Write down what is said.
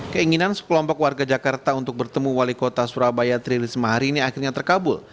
keinginan sekelompok warga jakarta untuk bertemu wali kota surabaya tririsma hari ini akhirnya terkabul